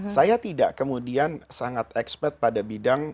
saya tidak kemudian sangat expert pada bidang